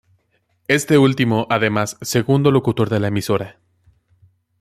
Este último, además, segundo locutor de la emisora.